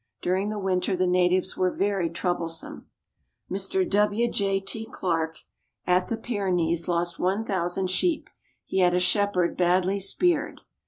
During the winter the natives were very troublesome. Mr. W. J. T. Clarke, at the Pyrenees, lost 1,000 sheep ; he had a shepherd badly speared.